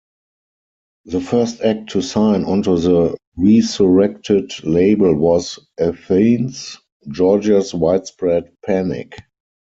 The first act to sign onto the resurrected label was Athens, Georgia's Widespread Panic.